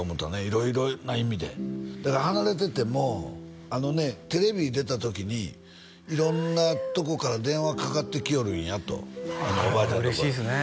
色々な意味でだから離れててもあのねテレビ出た時に色んなとこから電話かかってきよるんやとおばあちゃんのとこへ嬉しいっすね